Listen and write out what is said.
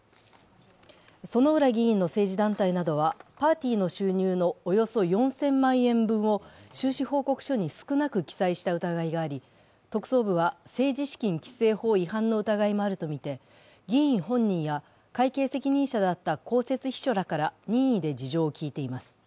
薗浦議員の政治団体などはパーティーの収入のおよそ４０００万円分を収支報告書に少なく記載した疑いがあり特捜部は政治資金規正法違反の疑いもあるとみて、議員本人や会計責任者だった公設秘書らから任意で事情を聞いています。